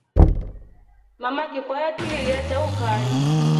Mama kikwaya tuliliya chao ukari.